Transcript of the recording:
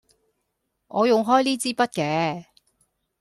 我用開呢枝筆嘅